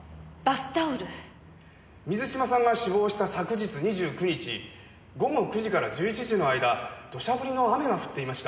水嶋さんが死亡した昨日２９日午後９時から１１時の間土砂降りの雨が降っていました。